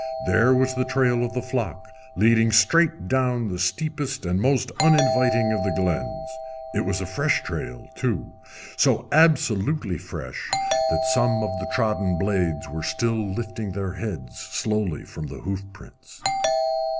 There was the trail of the flock leading straight down the steepest and most uninviting of the glens. It was a fresh trail, too so absolutely fresh that some of the trodden blades were still lifting their heads slowly from the hoof prints.